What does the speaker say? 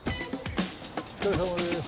お疲れさまです。